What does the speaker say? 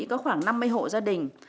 có khoảng năm mươi hộ gia đình